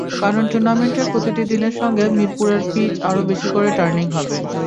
কারণ টুর্নামেন্টের প্রতিটি দিনের সঙ্গে মিরপুরের পিচ আরও বেশি করে টার্নিং হবে।